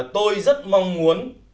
tôi rất mong muốn